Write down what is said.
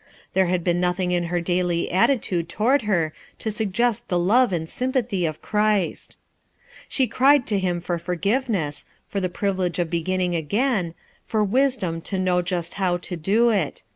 There had been nothing in her daily attitude toward her to suggest the love and sympathy of Christ She cried to Him for forgiveness, for the privi lege of beginning again, for wisdom to know 35S "SOMETHING HAD HAPPENED" 35a Just how to do it.